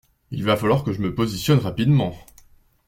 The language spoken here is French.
Il va falloir que je me positionne rapidement.